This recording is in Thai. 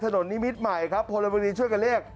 นิมิตรใหม่ครับพลเมืองดีช่วยกันเรียก